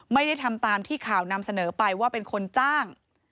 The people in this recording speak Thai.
ไม่ได้ทำตามที่ข่าวนำเสนอไปว่าเป็นคนจ้าง